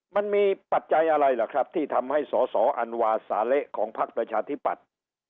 ปัจจัยอะไรล่ะครับที่ทำให้สอสออันวาสาเละของพักประชาธิปัตย์